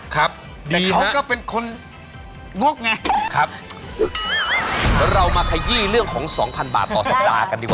คือเขาก็เป็นคนงกไง